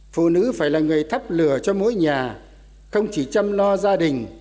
phụ nữ phải là người thắp lửa cho mỗi nhà không chỉ chăm lo gia đình